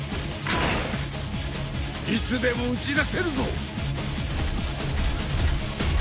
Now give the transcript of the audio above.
いつでも撃ち出せるぞ。